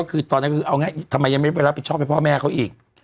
ก็คือตอนนั้นคือเอาง่ายทำไมยังไม่ไปรับผิดชอบให้พ่อแม่เขาอีก